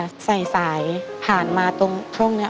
มองข้างนี้ค่ะใส่สายผ่านมาตรงช่วงนี้